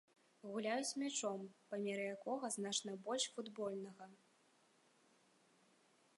Гуляюць мячом, памеры якога значна больш футбольнага.